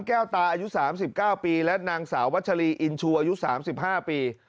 แก้วตาอายุสามสิบเก้าปีและนางสาววัชลีอินชูอายุสามสิบห้าปี